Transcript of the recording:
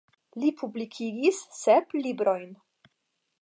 Li publikigis sep librojn.